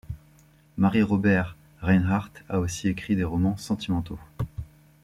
Mary Roberts Rinehart a aussi écrit des romans sentimentaux.